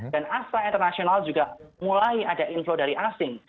dan asal internasional juga mulai ada inflow dari asing